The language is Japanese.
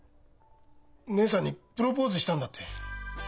義姉さんにプロポーズしたんだって。